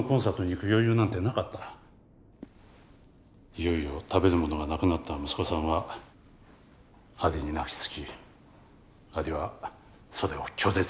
いよいよ食べるものが無くなった息子さんはアリに泣きつきアリはそれを拒絶した。